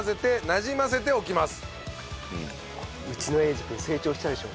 うちの英二君成長したでしょ？